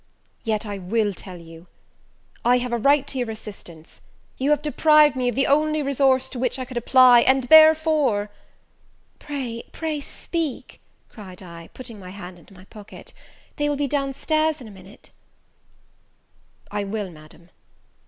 yet I will tell you. I have a right to your assistance, you have deprived me of the only resource to which I could apply, and therefore " "Pray, pray speak," cried I, putting my hand into my pocket; "they will be down stairs in a moment!" "I will, Madam.